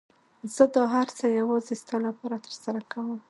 زه دا هر څه يوازې ستا لپاره ترسره کوم.